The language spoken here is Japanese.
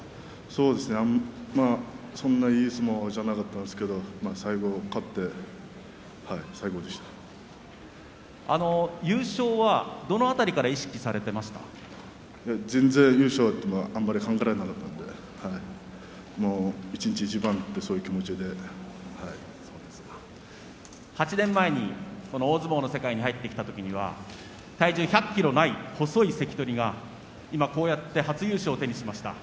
そうですね、そんなにいい相撲じゃなかったんですが優勝はどの辺りから全然、優勝というのは考えられなかったんで一日一番というそういう気持ちで８年前にこの大相撲の世界に入ってきた時には体重１００ｋｇない、細い関取が今こうやって初優勝を手にしました。